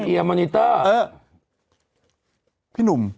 พี่หนุ่ม